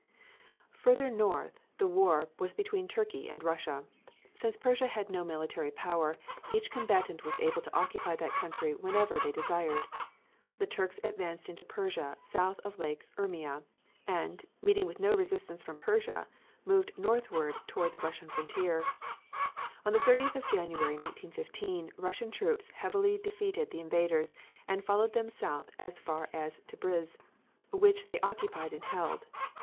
Farther north the war was between Turkey and Russia. Since Persia had no military power, each combatant was able to occupy that country whenever they desired. The Turks advanced into Persia south of Lake Urmia, and, meeting with no resistance from Persia, moved northward toward the Russian frontier. On the 30th of January, 1915, Russian troops heavily defeated the invaders and followed them south as far as Tabriz, which they occupied and held.